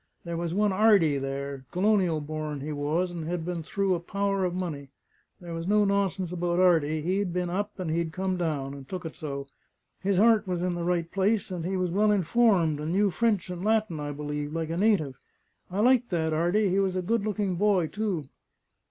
There was one 'Ardy there: colonial born he was, and had been through a power of money. There was no nonsense about 'Ardy; he had been up, and he had come down, and took it so. His 'eart was in the right place; and he was well informed, and knew French; and Latin, I believe, like a native! I liked that 'Ardy; he was a good looking boy, too."